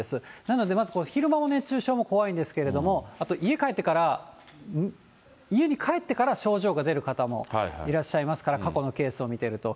なので、まず昼間の熱中症も怖いんですけれども、あと、家帰ってから、家に帰ってから症状が出る方もいらっしゃいますから、過去のケースを見ていると。